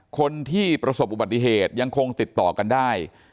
คนที่ประสบอุบัติเหตุยังคงติดต่อกันได้